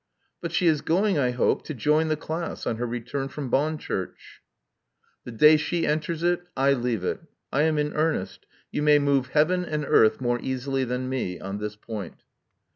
'*But she is going, I hope, to join the class on her return from Bonchurch." "The day she enters it, I leave it. I am in earnest. You may move heaven and earth more easily than me — on this point."